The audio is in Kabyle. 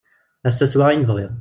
Ass-a swiɣ ayen bɣiɣ.